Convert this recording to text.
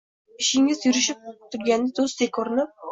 Ishingiz yurishib turganida do‘stdek ko‘rinib